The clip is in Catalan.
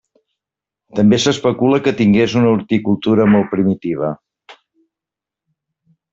També s'especula que tingués una horticultura molt primitiva.